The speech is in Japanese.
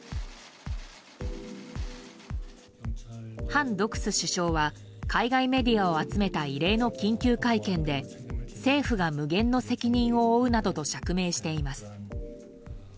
ハン・ドクス首相は海外メディアを集めた異例の緊急会見で政府が無限の責任を負うなどと釈明しています。